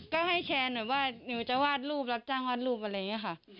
ก็ให้แชร์หน่อยว่าหนูจะวาดรูปรับจ้างวาดรูปอะไรอย่างนี้ค่ะ